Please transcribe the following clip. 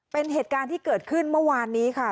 เป็นเหตุการณ์ที่เกิดขึ้นเมื่อวานนี้ค่ะ